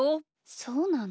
そうなの？